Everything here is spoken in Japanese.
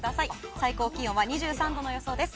最高気温は２３度の予想です。